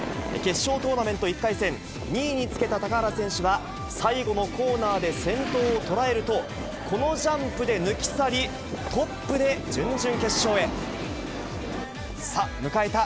決勝トーナメント１回戦、２位につけた高原選手は、最後のコーナーで先頭を捉えると、このジャンプで抜き去り、トップで準々決勝へ。